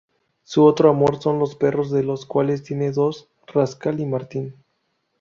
Su otro amor son los perros de los cuales tiene dos: Rascal y Martini.